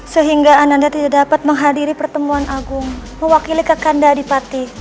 sehingga ananda tidak dapat menghadiri pertemuan agung mewakili kakanda adipati